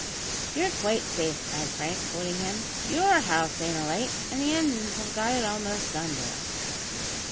"You're quite safe," cried Frank, holding him; "your house ain't alight, and the engines have got it almost under."